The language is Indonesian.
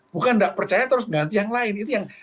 bukan tidak percaya terus mengganti yang lain